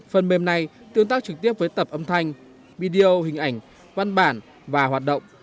phần mềm này tương tác trực tiếp với tập âm thanh video hình ảnh văn bản và hoạt động